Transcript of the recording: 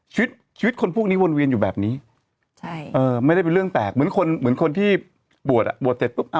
ชีวิตคนพวกนี้วนวินอยู่แบบนี้ไม่ได้เป็นเรื่องแปลกเหมือนคนที่บวชอ่ะ